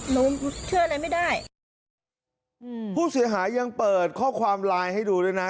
หนูเชื่ออะไรไม่ได้อืมผู้เสียหายยังเปิดข้อความไลน์ให้ดูด้วยนะ